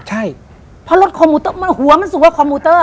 ใช่เพราะรถคอมมูเตอร์มันหัวมันสูงกว่าคอมมูเตอร์